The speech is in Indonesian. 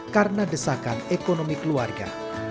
karena desakan ekonomi keluarga